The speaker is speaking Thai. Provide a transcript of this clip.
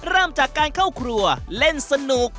เริ่มจากการเข้าครัวเล่นสนุก